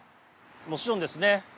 もちろんですね